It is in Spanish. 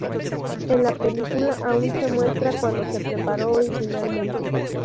En la película aún se muestra cuando se preparó originalmente.